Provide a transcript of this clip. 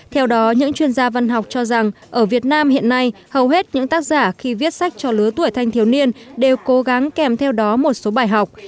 theo đó những chuyên gia văn học cho rằng ở việt nam hiện nay hầu hết những tác giả khi viết sách cho lứa tuổi thanh thiếu niên đều cố gắng kèm theo đó một số bài học